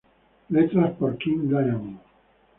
Letras por King Diamond.